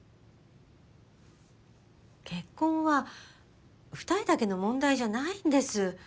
結婚は２人だけの問題じゃないんです。